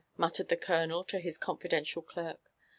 muttered ' the colonel to his confidential clerk.